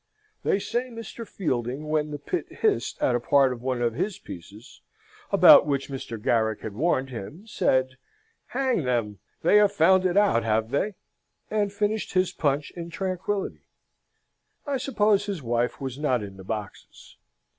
They say Mr. Fielding, when the pit hissed at a part of one of his pieces, about which Mr. Garrick had warned him, said, 'Hang them, they have found it out, have they?' and finished his punch in tranquillity. I suppose his wife was not in the boxes.